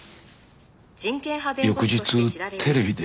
翌日テレビで。